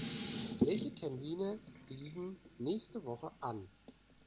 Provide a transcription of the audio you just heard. Welche Termine liegen nächste Woche an?